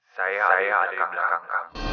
saya ada di belakang